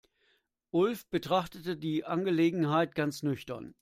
Ulf betrachtet die Angelegenheit ganz nüchtern.